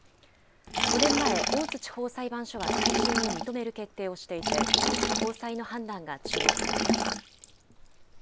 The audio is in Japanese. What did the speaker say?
５年前、大津地方裁判所は再審を認める決定をしていて、高裁の判断が注目されます。